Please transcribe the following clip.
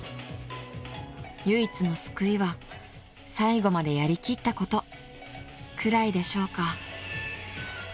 ［唯一の救いは最後までやりきったことくらいでしょうか］